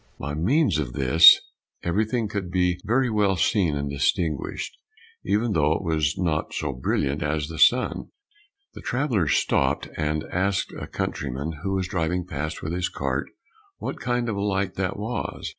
By means of this, everything could very well be seen and distinguished, even though it was not so brilliant as the sun. The travellers stopped and asked a countryman who was driving past with his cart, what kind of a light that was.